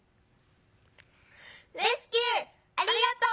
「レスキューありがとう！